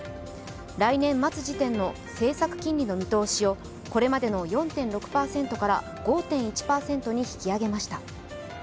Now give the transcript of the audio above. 来年末時点の政策金利の見通しをこれまでの４．６％から５．１％に引き上げました。